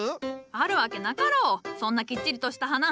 あるわけなかろうそんなきっちりとした花。